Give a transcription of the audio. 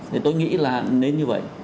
thì tôi nghĩ là nên như vậy